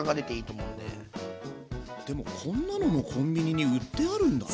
でもこんなのもコンビニに売ってあるんだな。